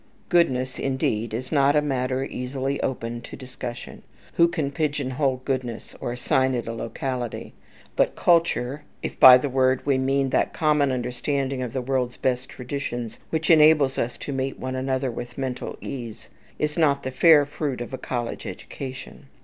Goodness, indeed, is not a matter easily opened to discussion. Who can pigeonhole goodness, or assign it a locality? But culture (if by the word we mean that common understanding of the world's best traditions which enables us to meet one another with mental ease) is not the fair fruit of a college education.